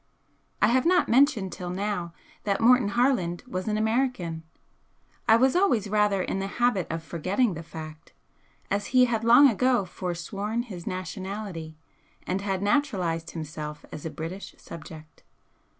I have not mentioned till now that Morton Harland was an American. I was always rather in the habit of forgetting the fact, as he had long ago forsworn his nationality and had naturalised himself as a British subject.